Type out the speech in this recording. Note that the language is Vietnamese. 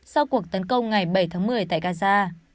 sau cuộc tấn công ngày bảy tháng một mươi tại gaza